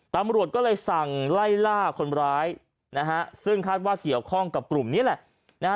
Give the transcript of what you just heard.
ตำรวจก็เลยก็เลยสั่งไล่ล่าคนร้ายซึ่งคาดว่าเขียวข้องกับกลุ่มนี้แหละ